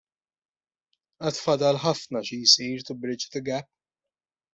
Għad fadal ħafna xi jsir to bridge the gap.